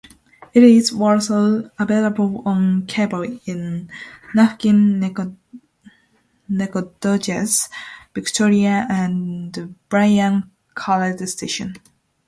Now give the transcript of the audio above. It is also available on cable in Lufkin-Nacogdoches, Victoria, and Bryan-College Station.